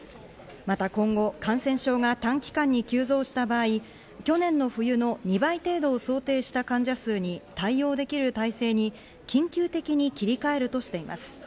また今後、感染症が短期間に急増した場合、去年の冬の２倍程度を想定した患者数に対応できる体制に緊急的に切り替えるとしています。